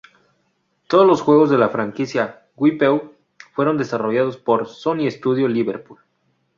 Todos los juegos de la franquicia "Wipeout" fueron desarrollados por Sony Studio Liverpool.